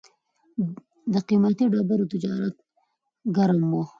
د قیمتي ډبرو تجارت ګرم و